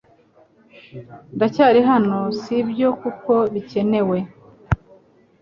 Ndacyari hano, sibyo kuko bikenewe